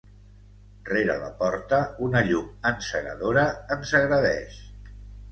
Rere la porta una llum encegadora ens agredeix.